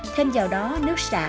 thêm vào đó nước sả